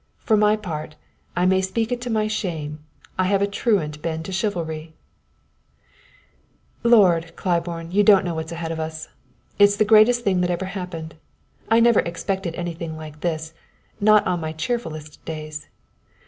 For my part, I may speak it to my shame, I have a truant been to chivalry; "Lord, Claiborne, you don't know what's ahead of us! It's the greatest thing that ever happened. I never expected anything like this not on my cheerfulest days.